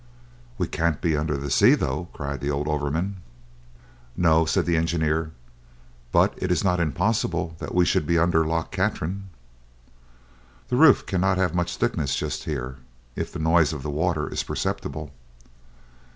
"We can't be under the sea though!" cried the old overman. "No," said the engineer, "but it is not impossible that we should be under Loch Katrine." "The roof cannot have much thickness just here, if the noise of the water is perceptible."